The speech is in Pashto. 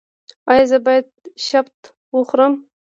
ایا زه باید شبت وخورم؟